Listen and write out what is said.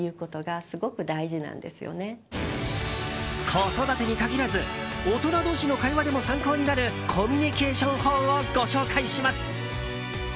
子育てに限らず大人同士の会話でも参考になるコミュニケーション法をご紹介します。